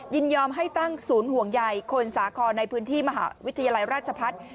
ยินยอมให้ตั้งศูนย์ห่วงใยคนสาครในพื้นที่มหาวิทยาลัยราชพัฒน์